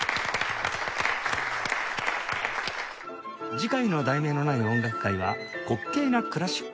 次回の『題名のない音楽会』は「滑稽なクラシック？